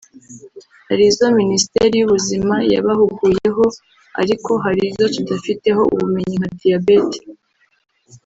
hari izo Minisiteri y’ubuzima yabahuguyeho ariko hari izo tudafiteho ubumenyi nka diyabete